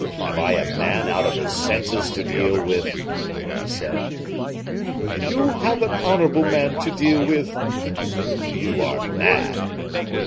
"Have I a man out of his senses to deal with?" he said. "You have an honorable man to deal with." "You are mad."